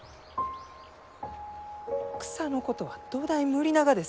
草のことはどだい無理ながです。